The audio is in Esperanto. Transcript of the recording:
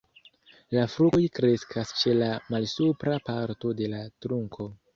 La fruktoj kreskas ĉe la malsupra parto de la trunko.